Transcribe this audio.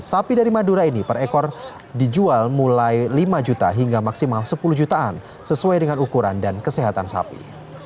sapi dari madura ini per ekor dijual mulai lima juta hingga maksimal sepuluh jutaan sesuai dengan ukuran dan kesehatan sapi